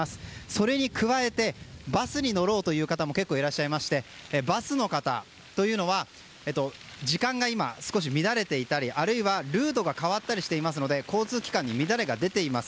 それに加えてバスに乗ろうという方も結構いらっしゃいましてバスの方というのは時間が少し乱れていたりあるいはルートが変わっていたりするので交通機関に乱れが出ています。